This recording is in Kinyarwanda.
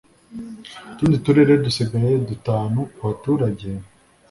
utundi turere dusigaye dutanu abaturage